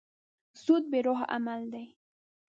سود بې روحه عمل دی.